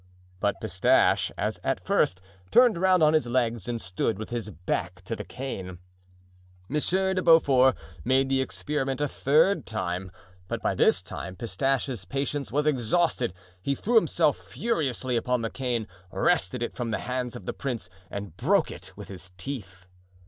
But Pistache, as at first, turned round on his legs and stood with his back to the cane. Monsieur de Beaufort made the experiment a third time, but by this time Pistache's patience was exhausted; he threw himself furiously upon the cane, wrested it from the hands of the prince and broke it with his teeth.